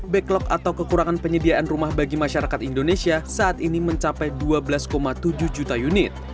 backlog atau kekurangan penyediaan rumah bagi masyarakat indonesia saat ini mencapai dua belas tujuh juta unit